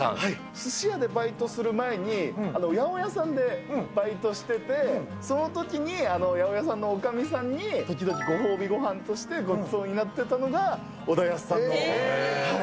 すし屋でバイトする前に、八百屋さんでバイトしてて、そのときに八百屋さんのおかみさんに、時々ご褒美ごはんとしてごちそうになってたのが、小田保さんの。